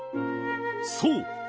そう！